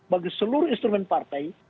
bagi seluruh instrumen partai